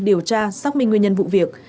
điều tra xác minh nguyên nhân vụ việc